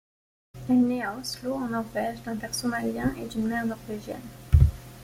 Elle naît à Oslo en Norvège d'un père somalien et d'une mère norvégienne.